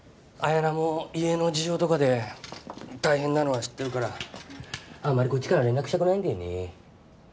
やなも家の事情とかで大変なのは知ってるからあまりこっちからは連絡したくないんだよね。